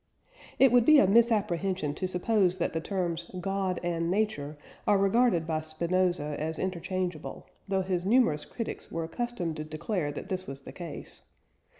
It would be a misapprehension to suppose that the terms "God" and "Nature" are regarded by Spinoza as interchangeable, though his numerous critics were accustomed to declare that this was the case.